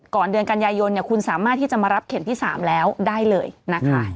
เดือนกันยายนคุณสามารถที่จะมารับเข็มที่๓แล้วได้เลยนะคะ